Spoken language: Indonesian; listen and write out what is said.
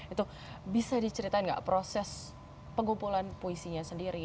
itu bisa diceritain nggak proses pengumpulan puisinya sendiri